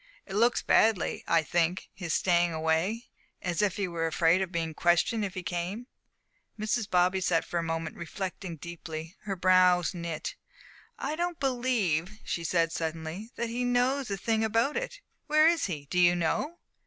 It looks badly, I think his staying away; as if he were afraid of being questioned if he came." Mrs. Bobby sat for a moment reflecting deeply, her brows knit. "I don't believe," she said, suddenly, "that he knows a thing about it. Where is he, do you know?"